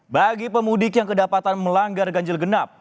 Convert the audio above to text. bagi pemudik yang kedapatan melanggar ganjil genap